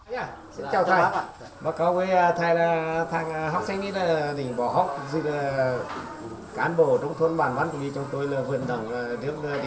xin chào thầy báo cáo với thầy là thằng học sinh ý là đình bỏ học dư là cán bộ trung thuận bản văn tùy cho tôi là vươn thẳng đưa đến trường rồi